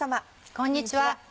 こんにちは。